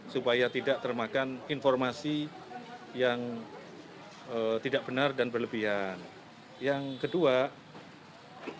supaya tidak terlalu banyak masalah yang terjadi